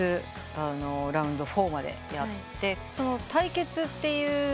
ラウンド４までやって対決っていう。